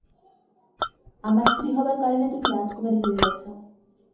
আমার স্ত্রী হবার কারণে তুমি রাজকুমারী হয়ে গেছ।